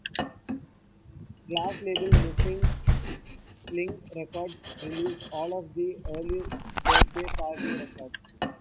Glass' label Missing Link Records released all of the early Birthday Party records.